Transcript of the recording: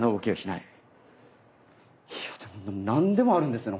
いやでも何でもあるんですね